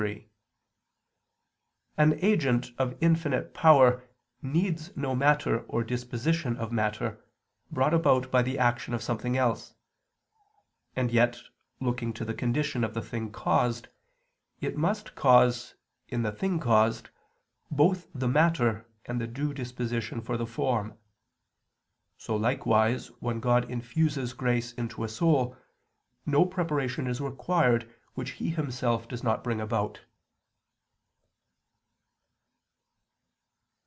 3: An agent of infinite power needs no matter or disposition of matter, brought about by the action of something else; and yet, looking to the condition of the thing caused, it must cause, in the thing caused, both the matter and the due disposition for the form. So likewise, when God infuses grace into a soul, no preparation is required which He Himself does not bring about.